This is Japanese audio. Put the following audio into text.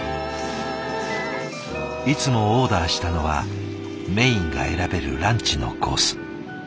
いつもオーダーしたのはメインが選べるランチのコース。